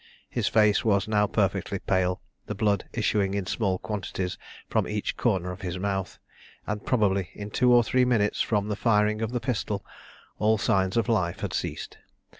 His face was now perfectly pale, the blood issuing in small quantities from each corner of his mouth, and probably in two or three minutes from the firing of the pistol all signs of life had ceased.